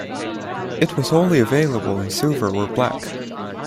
It was only available in silver or black.